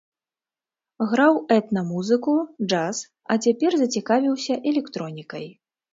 Граў этна-музыку, джаз, а цяпер зацікавіўся электронікай.